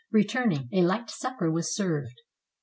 Return ing, a light supper was served.